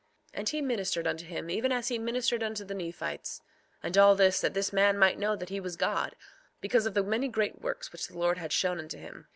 3:18 And he ministered unto him even as he ministered unto the Nephites; and all this, that this man might know that he was God, because of the many great works which the Lord had showed unto him.